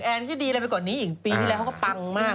อย่างแอนที่ดีละมากกว่านี้อีกปีนี้ละเขาก็ปังมาก